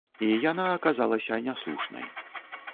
І яна аказалася няслушнай.